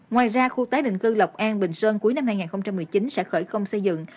ngoài ra khu tái định cư lộc an bình sơn cuối năm hai nghìn một mươi chín sẽ khởi công xây dựng